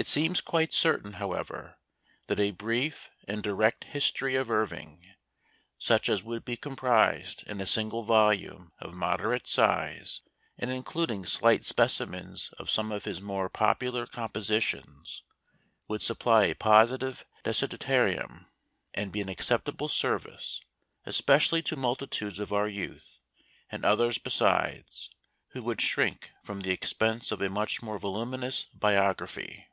It seems quite certain, however, that a brief and direct history of Irving, such as would be comprised in a single volume of moderate size, and includ ing slight specimens of some of his more popu lar compositions, would supply a positive de sideratum, and be an acceptable service, espe cially to multitudes of our youth, and others besides, who would shrink from the expense of a much more voluminous biography.